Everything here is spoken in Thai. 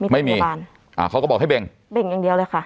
มีการอ่าเขาก็บอกให้เบ่งเบ่งอย่างเดียวเลยค่ะ